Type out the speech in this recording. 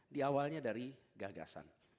di awalnya dari gagasan